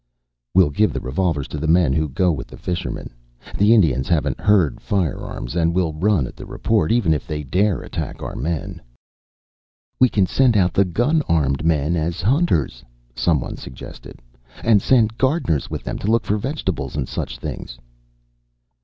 "We'll give revolvers to the men who go with the fishermen. The Indians haven't heard firearms and will run at the report, even if they dare attack our men." "We can send out the gun armed men as hunters," some one suggested, "and send gardeners with them to look for vegetables and such things."